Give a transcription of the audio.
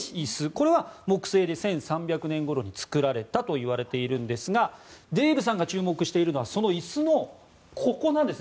これは木製で、１３００年ごろに作られたといわれているんですがデーブさんが注目しているのはその椅子のここなんです。